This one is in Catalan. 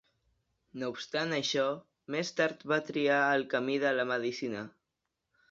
No obstant això, més tard va triar el camí de la medicina.